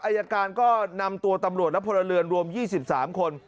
อายการก็นำตัวตำรวจและพลเรือนรวม๒๓คน